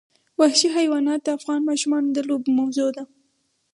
وحشي حیوانات د افغان ماشومانو د لوبو موضوع ده.